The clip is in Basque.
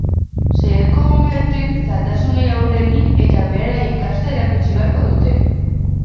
Saioko gonbidatuek zailtasunei aurre egin eta beraien kasta erakutsi beharko dute.